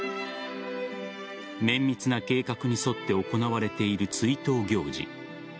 綿密な計画に沿って行われている追悼行事。